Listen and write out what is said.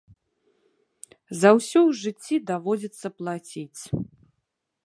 За ўсё ў жыцці даводзіцца плаціць.